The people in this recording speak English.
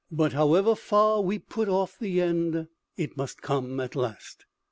But, however far we put off the end, it must come at last.